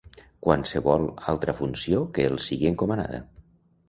Qualsevol altra funció que els sigui encomanada.